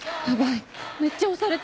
めっちゃ押されてる。